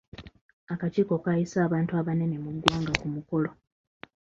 Akakiiko kaayise abantu abanene mu ggwanga ku mukolo.